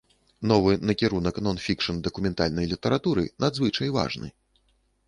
Новы накірунак нон-фікшн дакументальнай літаратуры надзвычай важны.